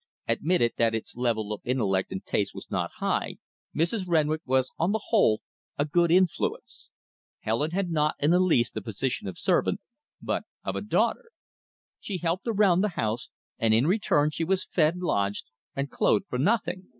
Admitted that its level of intellect and taste was not high, Mrs. Renwick was on the whole a good influence. Helen had not in the least the position of servant, but of a daughter. She helped around the house; and in return she was fed, lodged and clothed for nothing.